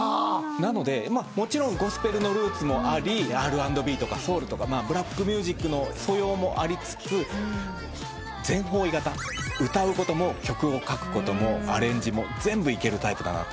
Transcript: なのでもちろんゴスペルのルーツもありＲ＆Ｂとかソウルとかブラックミュージックの素養もありつつ全方位型。歌うことも曲を書くこともアレンジも全部いけるタイプだなと。